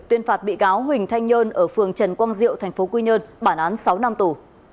tuyên phạt bị cáo huỳnh thanh nhơn ở phường trần quang diệu tp quy nhơn bản án sáu năm tù